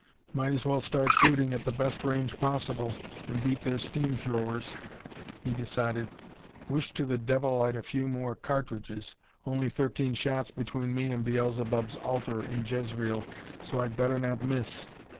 "Might as well start shooting at the best range possible, and beat their steam throwers," he decided. "Wish to the devil I'd a few more cartridges. Only thirteen shots between me and Beelzeebub's altar in Jezreel, so I'd better not miss.